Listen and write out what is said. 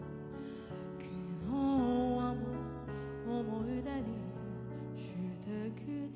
「昨日はもう思い出にしてきた」